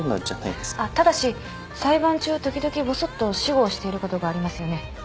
あっただし裁判中時々ぼそっと私語をしていることがありますよね。